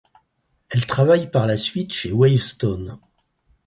Elle travaille par la suite chez Wavestone.